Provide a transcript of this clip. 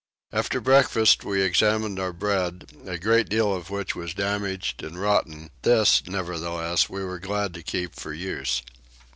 After breakfast we examined our bread, a great deal of which was damaged and rotten; this nevertheless we were glad to keep for use.